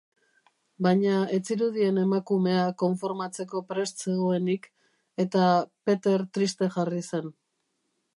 Baina ez zirudien emakumea konformatzeko prest zegoenik, eta Peter triste jarri zen.